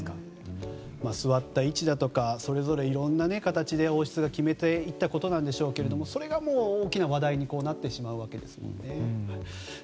座った位置だとかいろんな形で王室が決めていったことなんでしょうけどもそれが大きな話題になってしまうわけですよね。